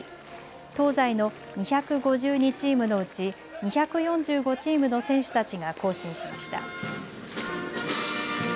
東西の２５２チームのうち２４５チームの選手たちが行進しました。